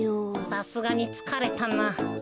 さすがにつかれたな。